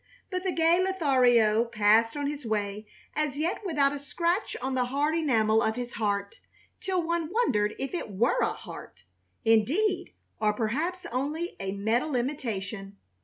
But the gay Lothario passed on his way as yet without a scratch on the hard enamel of his heart, till one wondered if it were a heart, indeed, or perhaps only a metal imitation.